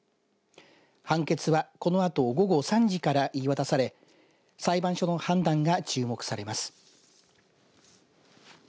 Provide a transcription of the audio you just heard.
判決は、このあと午後３時から言い渡され裁判所の判断が注目されます。